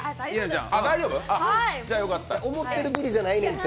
思ってるビリじゃないねんって。